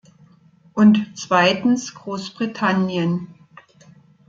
Und zweitens Großbritannien.